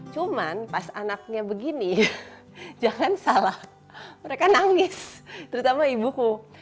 cuman pas anaknya begini jangan salah mereka nangis terutama ibuku